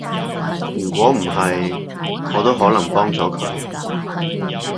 如果唔係，我都可能幫咗佢